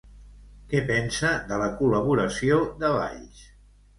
Què pensa de la col·laboració de Valls?